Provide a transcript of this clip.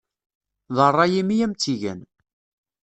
D ṛṛay-im i am-tt-igan.